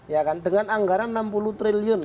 ya kan dengan anggaran enam puluh triliun